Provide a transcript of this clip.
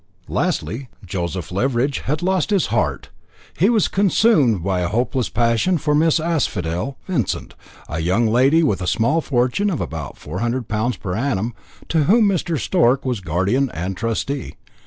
Lastly, Joseph Leveridge had lost his heart. He was consumed by a hopeless passion for Miss Asphodel Vincent, a young lady with a small fortune of about £400 per annum, to whom Mr. Stork was guardian and trustee.